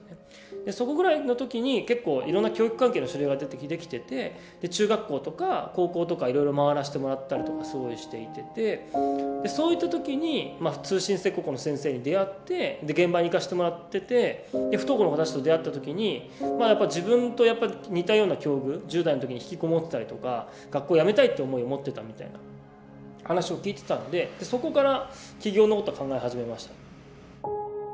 でそこぐらいの時に結構いろんな教育関係の知り合いができてて中学校とか高校とかいろいろ回らしてもらったりとかしていててそういった時に通信制高校の先生に出会ってで現場に行かしてもらってて不登校の子たちと出会った時に自分とやっぱり似たような境遇１０代の時に引きこもってたりとか学校やめたいって思いを持ってたみたいな話を聞いてたんでそこから起業のことは考え始めましたね。